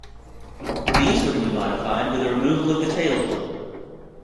These were to be modified with the removal of the tailhook.